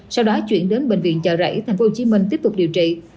sau đó chuyển đến bệnh viện chợ rẫy thành phố hồ chí minh tiếp tục điều trị